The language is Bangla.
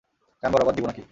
কান বরাবর দিব না-কি!